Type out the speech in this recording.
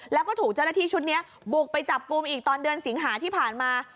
แล้วก็ถูกเจ้าหน้าที่ชุดนี้บุกไปจับกลุ่มอีกตอนเดือนสิงหาที่ผ่านมา